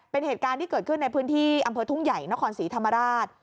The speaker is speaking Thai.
เป็นเหตุการณ์ที่เกิดขึ้นในพื้นที่อำเภอทุ่งใหญ่นครศรีธรรมราช